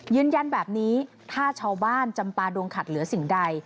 ยืนยันแบบนี้ถ้าชาวบ้านจำปาดวงขัดเหลือสิ่งใด